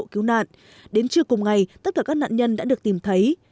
cứu nạn đến trưa cùng ngày tất cả các nạn nhân đã được tìm thấy